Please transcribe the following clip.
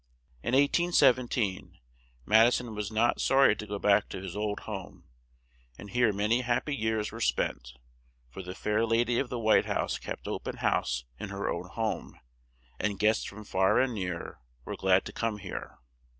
In 1817 Mad i son was not sor ry to go back to his old home, and here ma ny hap py years were spent, for the fair la dy of the White House kept o pen house in her own home, and guests from far and near were glad to come here.